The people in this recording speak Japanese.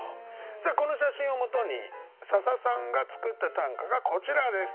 さあこの写真をもとに笹さんが作った短歌がこちらです。